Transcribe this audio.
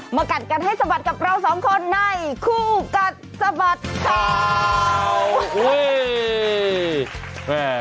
กัดกันให้สะบัดกับเราสองคนในคู่กัดสะบัดข่าว